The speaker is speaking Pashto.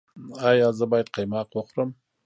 ایا زه باید قیماق وخورم؟